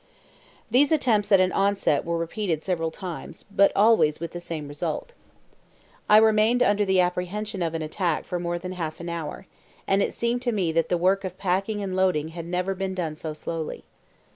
These attempts at an onset were repeated several times, but always with the same result. I remained under the apprehension of an attack for more than half an hour, and it seemed to me that the work of packing and loading had never been done so slowly.